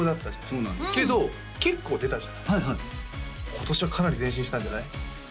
そうなんですよけど結構出たじゃない今年はかなり前進したんじゃない？